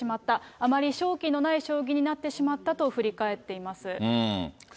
あまり勝機のない将棋になってしまったと振り返っています。